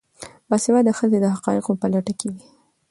باسواده ښځې د حقایقو په لټه کې وي.